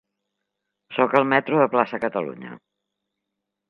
Soc al metro de Plaça Catalunya.